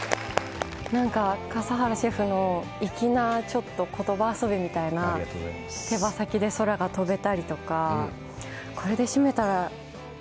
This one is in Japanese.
笠原シェフの粋な言葉遊びみたいな手羽先で空が飛べたりとか。